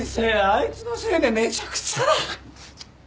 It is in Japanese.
あいつのせいでめちゃくちゃだ！